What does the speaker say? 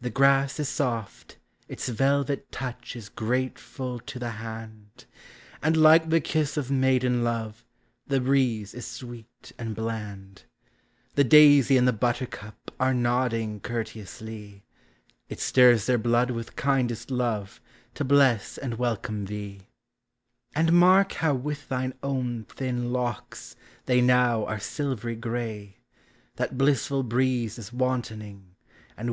The grass is soft, its velvet touch is grateful to the hand; And, like the kiss of maiden love, the breeze .s sweet and bland ; The daisy and the buttercup are DOddiDg COUrte ousl y ;, It stirs their blood with kindest love, to bless and welcome thee; And mark how with thine own thin locks now are silvery gray That blissful breeze is wantoning, and wh.